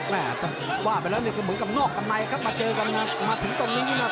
แม่ต้องว่าไปแล้วเนี่ยก็เหมือนกับนอกกันในครับมาเจอกันมาถึงตรงนี้นี่นะ